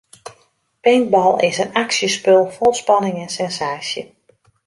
Paintball is in aksjespul fol spanning en sensaasje.